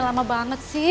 lama banget sih